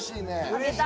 あげた？